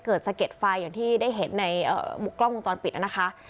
เกิดสะเก็ดไฟอย่างที่ได้เห็นในกล้องมุมจรปิดนะคะครับ